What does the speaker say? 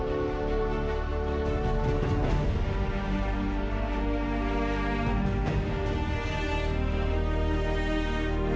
nggak ada yang nunggu